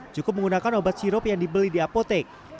cukup menggunakan obat sirup yang dibeli di apotek